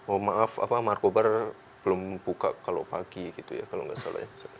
oh maaf markobar belum buka kalau pagi gitu ya kalau nggak salah ya